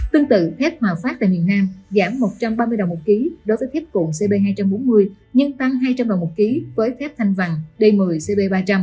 tương tự thép hòa phát tại miền nam giảm một trăm ba mươi đồng một ký đối với thép cuộn cp hai trăm bốn mươi nhưng tăng hai trăm linh đồng một ký với thép thanh vàng d một mươi cb ba trăm linh